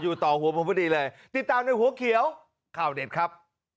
ต่อหัวผมพอดีเลยติดตามในหัวเขียวข่าวเด็ดครับ